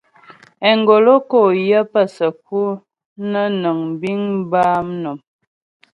Engolo kǒ yə pə səku nə́ nəŋ biŋ bâ mnɔm.